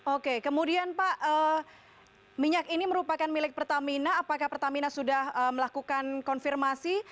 oke kemudian pak minyak ini merupakan milik pertamina apakah pertamina sudah melakukan konfirmasi